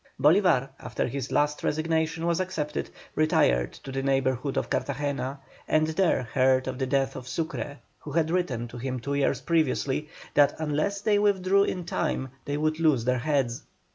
Bolívar, after his last resignation was accepted, retired to the neighbourhood of Cartagena, and there heard of the death of Sucre, who had written to him two years previously, that unless they withdrew in time they would lose their heads.